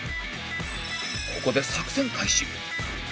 ここで作戦開始